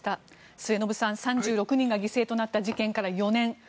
末延さん３６人が犠牲となった事件から４年。